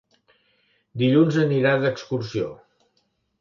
Dilluns anirà d'excursió.